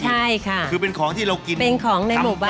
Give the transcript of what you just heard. ใช่ค่ะคือเป็นของที่เรากินเป็นของในหมู่บ้าน